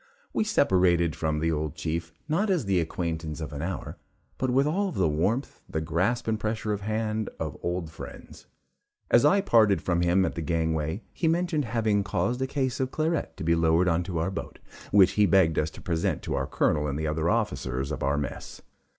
We separated from the old chief, not as the acquaintance of an hour, but with all the warmth the grasp and pressure of hand of old friends. As I parted from him at the gangway, he mentioned having caused a case of claret to be lowered into our boat, which he begged us to present to our Colonel and the other officers of our mess.